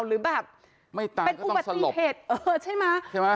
หรือแบบเป็นอุบัติเพจใช่ไหม